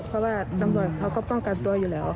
เพราะว่าตำรวจเขาก็ป้องกันตัวอยู่แล้ว